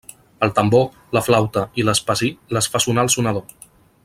El tambor, la flaüta i l'espasí les fa sonar el sonador.